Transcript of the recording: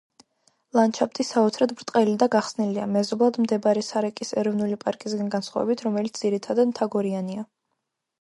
ლანდშაფტი საოცრად ბრტყელი და გახსნილია, მეზობლად მდებარე სარეკის ეროვნული პარკისგან განსხვავებით, რომელიც ძირითადად მთაგორიანია.